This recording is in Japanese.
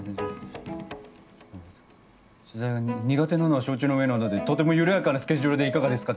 「取材が苦手なのは承知の上なのでとてもゆるやかなスケジュールでいかがですか？」